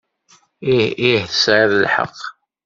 Ih, ih, tesɛiḍ lḥeqq.